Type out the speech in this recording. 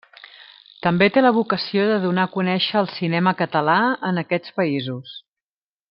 També té la vocació de donar a conèixer el cinema català en aquests països.